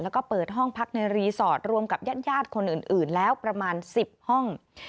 แล้วก็เปิดห้องพักในรีสอร์ทรวมกับญาติคนอื่นแล้วประมาณ๑๐ห้อง